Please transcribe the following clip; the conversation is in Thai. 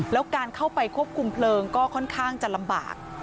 แล้วการเข้าไปควบคุมเพลิงก็ค่อนข้างจะลำบาก